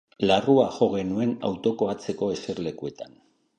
Larrua jo genuen autoko atzeko eserlekuetan.